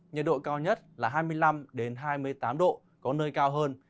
nhiệt độ cao nhất là hai mươi năm hai mươi tám độ có nơi cao hơn